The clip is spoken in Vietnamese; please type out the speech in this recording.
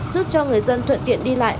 giúp cho người dân thuận tiện đi lại